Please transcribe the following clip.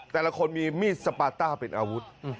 แต่ละคนมีมีดสปาต้าเป็นอาวุธ